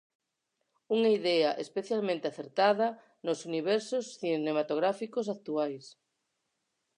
Unha idea especialmente acertada nos universos cinematográficos actuais.